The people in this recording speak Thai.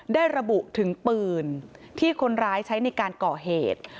ได้ระบุถึงปืนที่คนร้ายใช้ในการก่อเหตุ